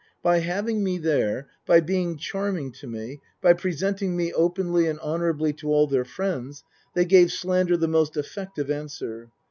By having me there, by being charming to me, by presenting me openly and honourably to all their friends, they gave slander the most effective answer.